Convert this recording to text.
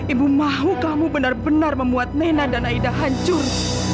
ibu mau kamu benar benar membuat nena dan aida hancur